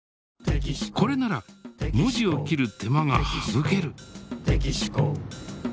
これなら文字を切る手間がはぶける。